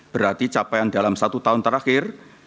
berarti capaian dalam satu tahun terakhir